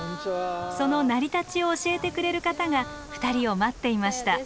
その成り立ちを教えてくれる方が２人を待っていました。